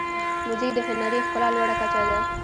موزیک د هنري ښکلا لوړه کچه ده.